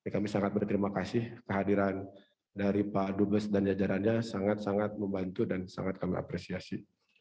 kami sangat berterima kasih kehadiran dari pak dubes dan jajarannya sangat sangat membantu dan sangat kami apresiasi